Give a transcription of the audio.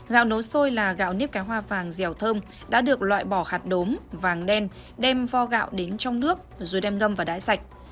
gạo nấu xôi là gạo nếp cá hoa vàng dẻo thơm đã được loại bỏ hạt đốm vàng đen đem vo gạo đến trong nước rồi đem ngâm và đáy sạch